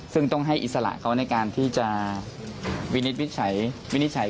ซึ่งต้องให้อิสระเขาในการที่จะวินิจฉัย